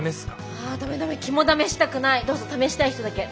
あダメダメ肝試したくないどうぞ試したい人だけ試して。